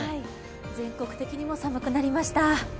全国的にも寒くなりました。